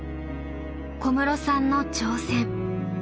小室さんの挑戦。